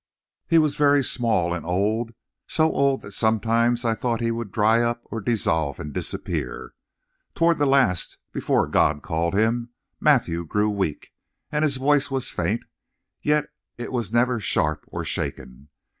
"He was very small and old so old that sometimes I thought he would dry up or dissolve and disappear. Toward the last, before God called him, Matthew grew weak, and his voice was faint, yet it was never sharp or shaken.